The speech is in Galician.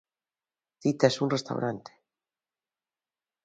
Ti tes un restaurante...